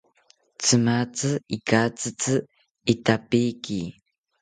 Tzimatzi ikatzitzi itapiki